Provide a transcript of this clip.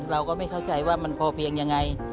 เราก็ไม่เข้าใจว่ามันพอเพียงยังไง